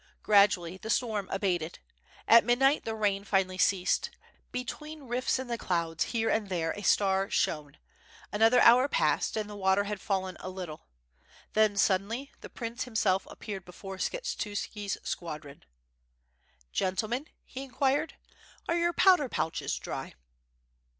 Gradually the storm abated. At midnight the rain finally ceased. Be tween rifts in the clouds here and there a star shone. Another hour passed, and the water had fallen a little. Then sud denly the prince himself appeared before Skshetuski's squad ron. "Gentlemen," he inquired, "are your powder pouches dry?''